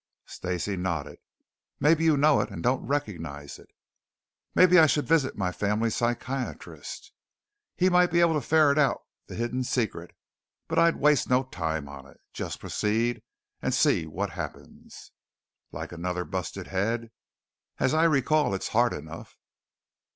Stacey nodded. "Maybe you know it and don't recognize it." "Maybe I should visit my family psychiatrist?" "He might be able to ferret out the hidden secret. But I'd waste no time on it. Just proceed and see what happens." "Like another busted head?" "As I recall, it's hard enough."